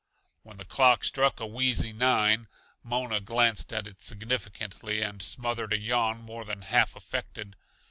When the clock struck a wheezy nine Mona glanced at it significantly and smothered a yawn more than half affected.